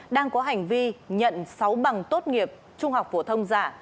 đang có hành vi nhận sáu bằng tốt nghiệp trung học phổ thông giả